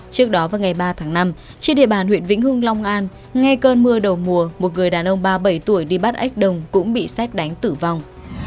trước đó vào ngày ba tháng năm trên địa bàn huyện vĩnh hưng long an ngay cơn mưa đầu mùa một người đàn ông ba mươi bảy tuổi đi bắt ếch đồng cũng bị xét đánh tử vong